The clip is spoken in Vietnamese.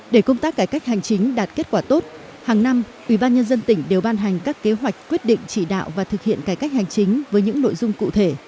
để công tác cải cách hành chính đạt kết quả tốt hàng năm ubnd tỉnh đều ban hành các kế hoạch quyết định chỉ đạo và thực hiện cải cách hành chính với những nội dung cụ thể